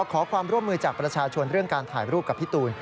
ขอความร่วมมือจากประชาชนเรื่องการถ่ายรูปกับพี่ตูน